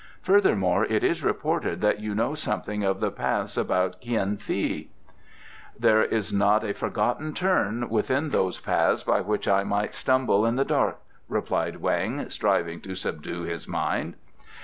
"Furthermore, it is reported that you know something of the paths about Kien fi?" "There is not a forgotten turn within those paths by which I might stumble in the dark," replied Weng, striving to subdue his mind.